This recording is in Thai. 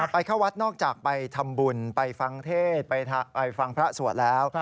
ไปเข้าวัดนอกจากไปทำบุญไปฟังเทศไปฟังพระสวดแล้ว